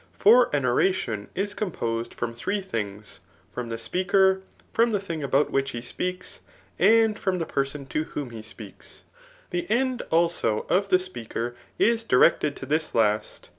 For an oratioa is coQ]|>osed froiv three things, from the speabnr, from the thing stout vhich bespeaks, and from the person to whom he speaks. The end, also, £of the speaker] is durected to this last